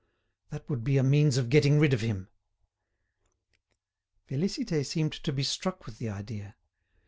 That would be a means of getting rid of him." Félicité seemed to be struck with the idea.